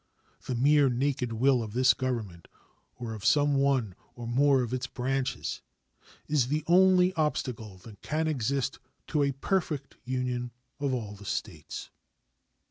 The mere naked will of this Government, or of some one or more of its branches, is the only obstacle that can exist to a perfect union of all the States.